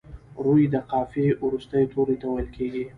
روي د قافیې وروستي توري ته ویل کیږي.